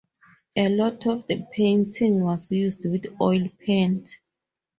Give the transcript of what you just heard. A lot of the painting was used with oil paint.